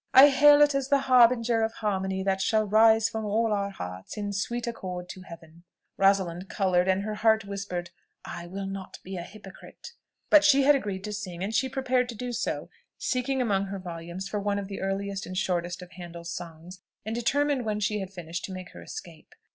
I hail it as the harbinger of harmony that shall rise from all our hearts in sweet accord to heaven." Rosalind coloured, and her heart whispered, "I will not be a hypocrite." But she had agreed to sing, and she prepared to do so, seeking among her volumes for one of the easiest and shortest of Handel's songs, and determined when she had finished to make her escape.